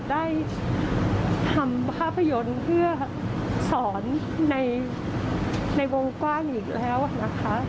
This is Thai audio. ได้ทำภาพยนตร์เพื่อสอนในวงกว้างอีกแล้วนะคะ